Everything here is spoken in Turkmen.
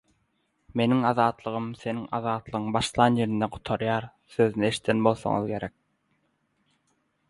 "Meniň azatlygym, seniň azatlygyň başlanýan ýerinde gutarýar." sözüni eşiden bolsaňyz gerek.